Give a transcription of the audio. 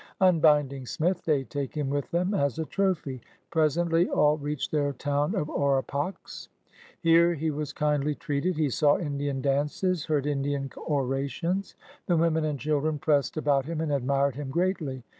Unbinding Smith, they take him with them as a trophy. Presently all reach their town of Orapaks. Here he was kindly treated. He saw Indian dances, heard Indian orations. The women and children pressed about him and admired him greatly.